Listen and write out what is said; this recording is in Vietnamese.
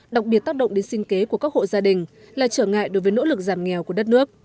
đặc biệt tác động đến sinh kế của các hộ gia đình là trở ngại đối với nỗ lực giảm nghèo của đất nước